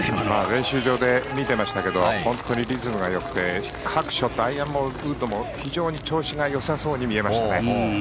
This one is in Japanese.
練習場で見てましたけど本当にリズムが良くて各ショット、アイアンもウッドも非常に調子が良さそうに見えましたね。